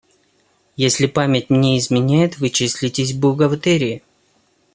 Если память мне изменяет, Вы числитесь в бухгалтерии?